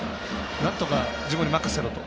なんとか、自分に任せろと。